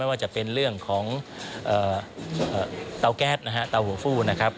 ว่าจะเป็นเรื่องของเตาแก๊สนะฮะเตาหัวฟู้นะครับ